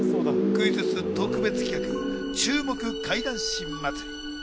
クイズッス特別企画、注目怪談師祭り。